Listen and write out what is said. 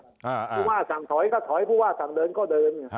ผู้ว่าสั่งถอยก็ถอยผู้ว่าสั่งเดินก็เดิน